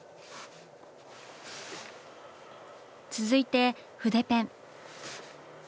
続いて筆ペン。